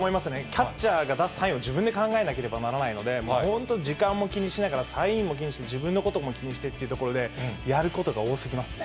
キャッチャーが出すサインを自分で考えなければならないので、本当、時間も気にしながら、サインも気にして、自分のことも気にしてっていうところで、やることが多すぎますね。